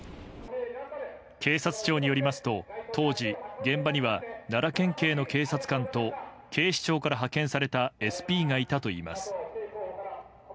警察庁によりますと、当時現場には奈良県警の警察官と警視庁から派遣されたＳＰがいたといいます。